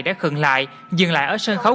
đã khừng lại dừng lại ở sân khấu